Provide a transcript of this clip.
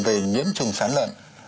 về nhiễm trùng sán lợn